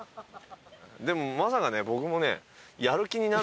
でもまさかね僕もね。